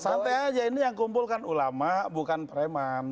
santai aja ini yang kumpul kan ulama bukan preman